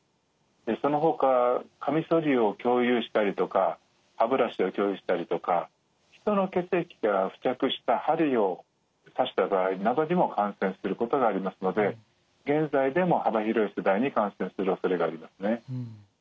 そのほかかみそりを共有したりとか歯ブラシを共有したりとか人の血液が付着した針を刺した場合などにも感染することがありますので現在でも幅広い世代に感染するおそれがありますね。